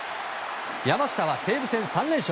山下は西武戦３連勝。